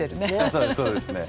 そうですそうですね。